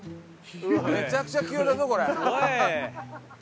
めちゃくちゃ急だぞこれ。